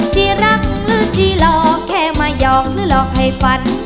ที่รักหรือจีหลอกแค่มาหยอกหรือหลอกให้ฝัน